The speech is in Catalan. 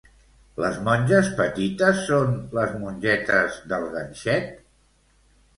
Les monges petites són les mongetes del ganxet?